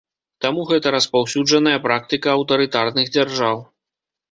Таму гэта распаўсюджаная практыка аўтарытарных дзяржаў.